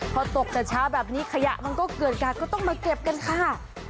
พอตกแต่เช้าแบบนี้ขยะมันก็เกิดการก็ต้องมาเก็บกันค่ะ